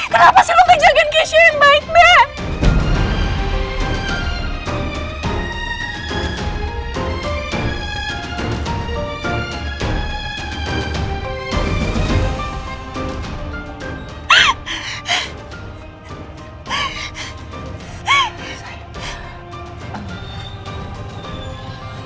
kenapa silahkan jagain keesokan baik baik